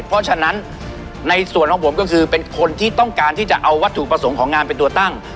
เพราะฉะนั้นในส่วนของผมก็คือเป็นคนที่ต้องการที่จะเอาวัตถุประสงค์ของงานเป็นตัวตั้ง